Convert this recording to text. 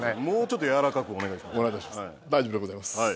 もうちょっと柔らかくお願いします。